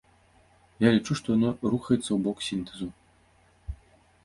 Я лічу, то яно рухаецца ў бок сінтэзу.